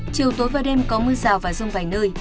chiều tối và đêm có mưa rào và rông vài nơi